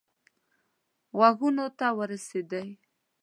غوږونو ته ورسېدی.